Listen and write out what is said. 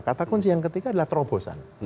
kata kunci yang ketiga adalah terobosan